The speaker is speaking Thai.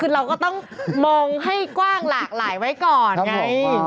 คือเราก็ต้องมองให้กว้างหลากหลายไว้ก่อนไง